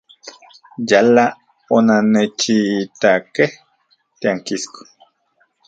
Yala onannechitakej tiankisko.